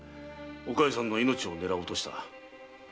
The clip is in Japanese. お加代さんの命を狙おうとした。